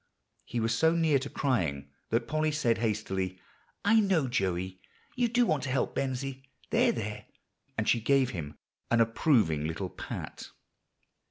He was so near to crying that Polly said hastily, "I know, Joey, you do want to help Bensie; there, there," and she gave him an approving little pat.